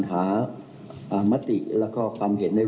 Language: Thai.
คุณทศก่อนครับ